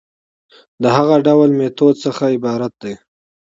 د هغه ډول ميتود څخه عبارت دي